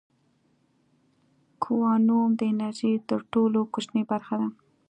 کوانوم د انرژۍ تر ټولو کوچنۍ برخه ده.